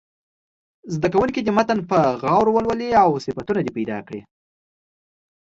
زده کوونکي دې متن په غور ولولي او صفتونه پیدا کړي.